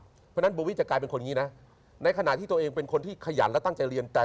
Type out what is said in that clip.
เพราะฉะนั้นโบวี่จะกลายเป็นคนนี้นะในขณะที่ตัวเองเป็นคนที่ขยันและตั้งใจเรียน